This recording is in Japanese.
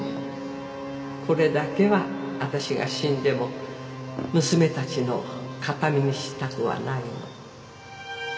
これだけは私が死んでも娘たちの形見にしたくはないの